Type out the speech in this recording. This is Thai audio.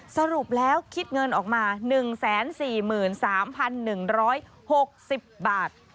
สรุปแล้วคิดเงินออกมา๑๔๓๑๖๐บาท